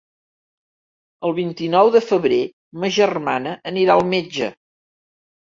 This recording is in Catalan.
El vint-i-nou de febrer ma germana anirà al metge.